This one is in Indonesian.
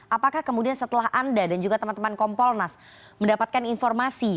apakah kemudian setelah anda dan juga teman teman kompolnas mendapatkan informasi